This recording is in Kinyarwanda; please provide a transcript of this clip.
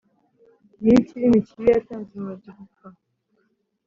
Nyirikirimi kibi yatanze umurozi gupfa